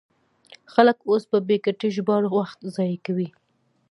خلک اوس په بې ګټې ژباړو وخت ضایع کوي.